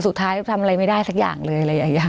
สุดท้ายทำอะไรไม่ได้สักอย่างเลย